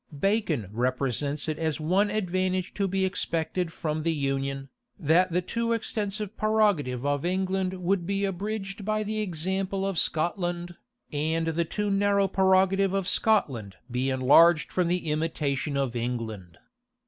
Bacon represents it as one advantage to be expected from the union, that the too extensive prerogative of England would be abridged by the example of Scotland, and the too narrow prerogative of Scotland be enlarged from the imitation of England.